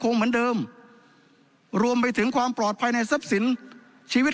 เหมือนเดิมรวมไปถึงความปลอดภัยในทรัพย์สินชีวิต